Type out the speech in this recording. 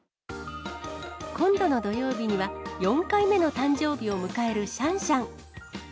今度の土曜日には、４回目の誕生日を迎えるシャンシャン。